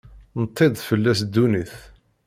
Netti-d fell-as ddunit.